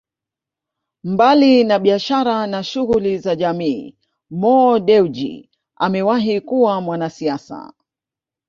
Mbali na biashara na shughuli za jamii Mo Dewji amewahi kuwa mwanasiasa